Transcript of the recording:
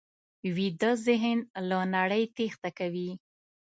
ویده ذهن له نړۍ تېښته کوي